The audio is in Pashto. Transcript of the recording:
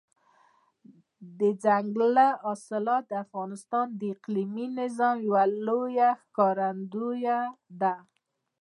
دځنګل حاصلات د افغانستان د اقلیمي نظام یوه لویه ښکارندوی ده.